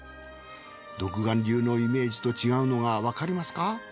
独眼竜のイメージと違うのがわかりますか？